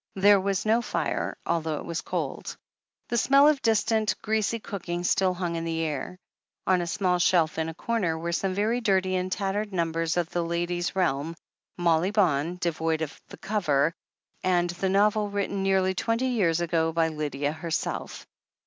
There was no fire, although it was cold. The smell of distant, greasy cooking still hung in the air. On a small shelf in a comer were some very dirty and tattered numbers of the Lady's Realm, "Molly Bawn," devoid of cover, and the novel written nearly twenty years ago by Lydia herself.